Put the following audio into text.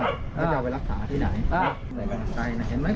แล้วจะไปรักษาที่ไหนอ่ะใกล้ใกล้ใกล้นะเห็นไหม